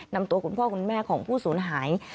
นำตัวคุณพ่อคุณแม่ของผู้สูญหาย